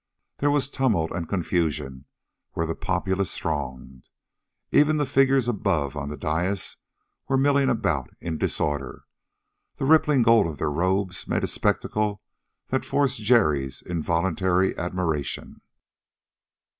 There was tumult and confusion where the populace thronged. Even the figures above on the dais were milling about in disorder; the rippling gold of their robes made a spectacle that forced Jerry's involuntary admiration.